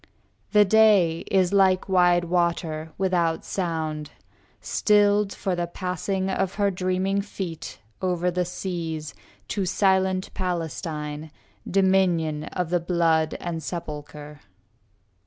The day is like wide water, without sound. Stilled for the passing of her dreaming feet Over the seas, to silent Palestine, Dominion of the blood and sepulchre.